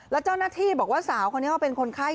แล้วเจ้าหน้าที่บอกว่าสาวคนนี้เขาเป็นคนไข้